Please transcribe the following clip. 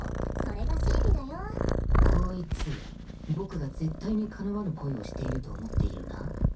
こいつ僕が絶対にかなわぬ恋をしていると思っているな